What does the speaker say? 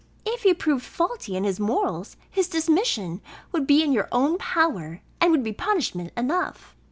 If he proved faulty in his morals, his dismission would be in your own power, and would be punishment enough.